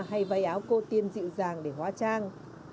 hay váy áo cô tiên dịu dàng để hóa trang